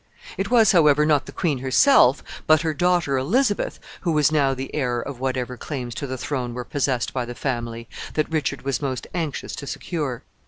It was, however, not the queen herself, but her daughter Elizabeth, who was now the heir of whatever claims to the throne were possessed by the family, that Richard was most anxious to secure.